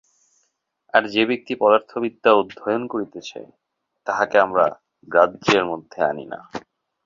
আর যে ব্যক্তি পদার্থবিদ্যা অধ্যয়ন করিতেছে, তাহাকে আমরা গ্রাহ্যের মধ্যে আনি না।